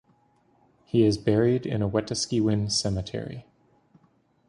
He is buried in a Wetaskiwin cemetery.